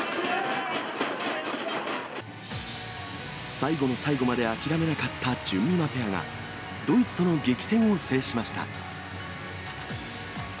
最後の最後まで諦めなかったじゅんみまペアが、ドイツとの激戦を制しました。